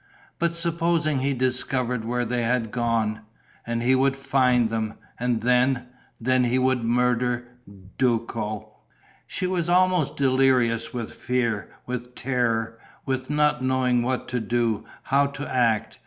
But supposing he discovered where they had gone! And he would find them!... And then ... then he would murder ... Duco!... She was almost delirious with fear, with terror, with not knowing what to do, how to act....